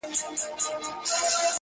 د جرګو ورته راتلله رپوټونه-